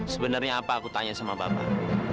sebenarnya apa aku tanya sama bapak